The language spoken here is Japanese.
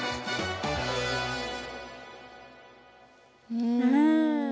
うん。